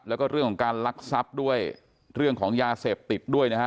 แล้วก็เรื่องของการลักทรัพย์ด้วยเรื่องของยาเสพติดด้วยนะฮะ